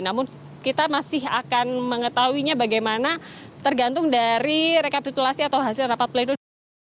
namun kita masih akan mengetahuinya bagaimana tergantung dari rekapitulasi atau hasil rapat pleno